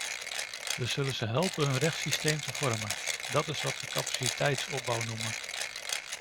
We zullen ze helpen hun rechtssysteem de vormen; dat is wat we capaciteitsopbouw noemen.